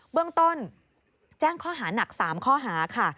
เบื้องต้นแจ้งข้อหานัก๓ข้อหาค่ะ